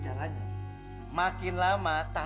udah ada di mana